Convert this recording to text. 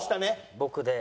僕で？